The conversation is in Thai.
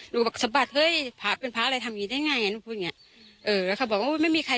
คือนางหนึ่งคืออาย